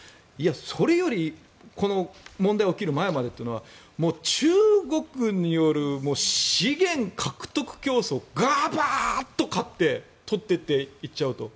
それより、この問題が起きる前までというのは中国による資源獲得競争ガバーッと買って取っていっちゃうと。